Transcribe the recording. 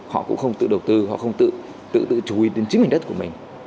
họ cũng không tự đầu tư họ không tự chú ý đến chính hình đất của mình